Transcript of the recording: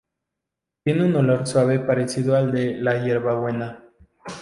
Tiene un olor suave parecido al de la hierbabuena.